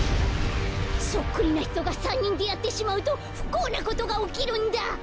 そっくりなひとが３にんであってしまうとふこうなことがおきるんだ。